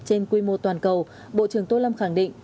trên quy mô toàn cầu bộ trưởng tô lâm khẳng định